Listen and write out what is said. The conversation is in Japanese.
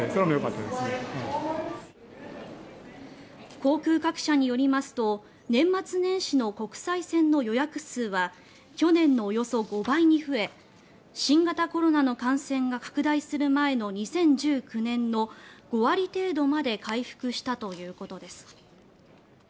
航空各社によりますと年末年始の国際線の予約数は去年のおよそ５倍に増え新型コロナの感染が拡大する前の２０１９年の５割程度まで回復したということです。